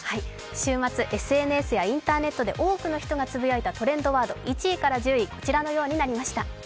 週末ＳＮＳやインターネットで多くの人がつぶやいたトレンドワード１位から１０位はこちらのようになりました。